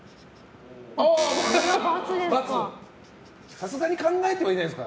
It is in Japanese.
さすがに考えてはいないですか。